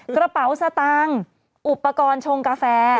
กระเป๋าสตางค์อุปกรณ์ชงกาแฟ